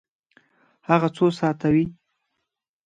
هغه څو ساعته وی؟